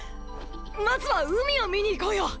まずは海を見に行こうよ！！